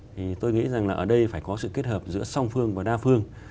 thì tôi nghĩ rằng là ở đây phải có sự kết hợp giữa song phương và đa phương